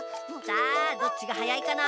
さあどっちがはやいかな？